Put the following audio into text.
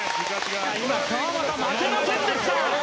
今川真田負けませんでした。